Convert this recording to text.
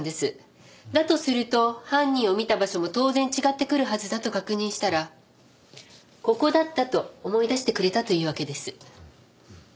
だとすると犯人を見た場所も当然違ってくるはずだと確認したらここだったと思い出してくれたというわけです。